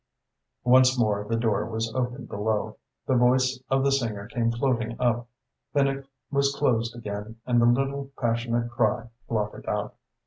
Once more the door was opened below. The voice of the singer came floating up. Then it was closed again and the little passionate cry blotted out.